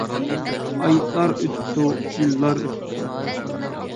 ئايلار ئۆتۈپتۇ، يىللار ئۆتۈپتۇ.